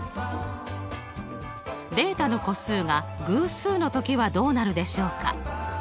データの個数が偶数の時はどうなるでしょうか？